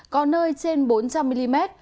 có nơi trên bốn trăm linh mm